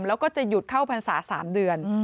แล้วก็จะหยุดเข้าพรรษา๓เดือน